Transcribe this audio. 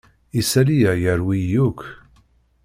Isali-a yerwi-yi akk.